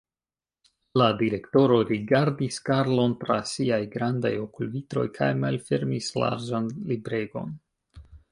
La direktoro rigardis Karlon tra siaj grandaj okulvitroj kaj malfermis larĝan libregon.